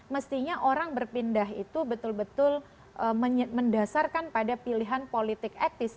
mestinya orang berpindah itu betul betul mendasarkan pada pilihan politik etis